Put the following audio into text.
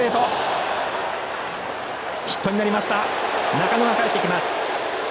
中野がかえってきます。